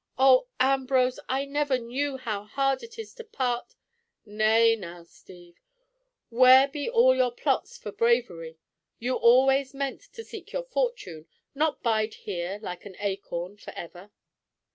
Oh! Ambrose! I never knew how hard it is to part—" "Nay, now, Steve, where be all your plots for bravery? You always meant to seek your fortune—not bide here like an acorn for ever."